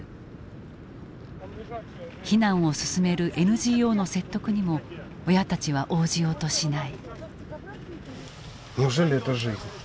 避難を勧めるＮＧＯの説得にも親たちは応じようとしない。